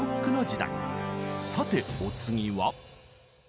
さてお次は？